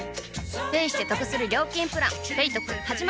ペイしてトクする料金プラン「ペイトク」始まる！